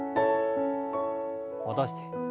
戻して。